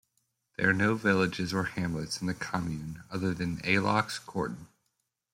There are no villages or hamlets in the commune other than Aloxe-Corton.